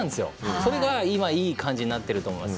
それが今、いい感じになっていると思います。